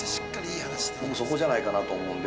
そこじゃないかなと思うので。